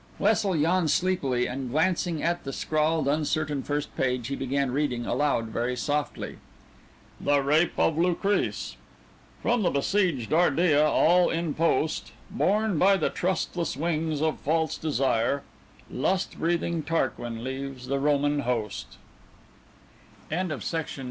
Wessel yawned sleepily and, glancing at the scrawled, uncertain first page, he began reading aloud very softly: The Rape of Lucrece "_From the besieged Ardea all in post, Borne by the trustless wings of false desire, Lust breathing Tarquin leaves the Roman host _" "O RUSSET WITCH!"